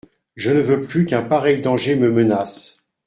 Je ne veux plus qu'un pareil danger me menace.